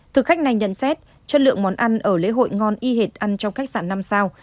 thực khách này nhận xét chất lượng món ăn ở lễ hội ngon y hệt ăn trong khách sạn năm sao